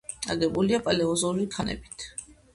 აგებულია პალეოზოური ქანებით.